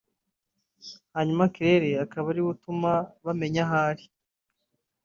hanyuma Claire akaba ari we utuma bamenya aho ari